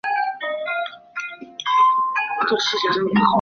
切赫巴尼奥。